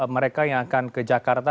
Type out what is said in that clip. mereka yang akan ke jakarta